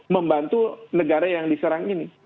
membantu negara yang diserang ini